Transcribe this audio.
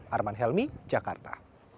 arman helmi jakarta